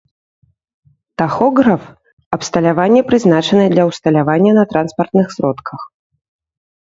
Тахограф — абсталяванне, прызначанае для ўсталявання на транспартных сродках